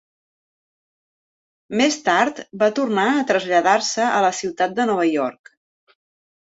Més tard va tornar a traslladar-se a la ciutat de Nova York.